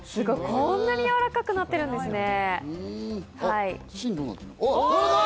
こんなに、やわらかくなってるんですね。